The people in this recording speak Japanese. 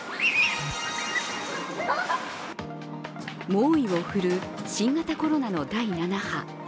猛威を振るう新型コロナの第７波。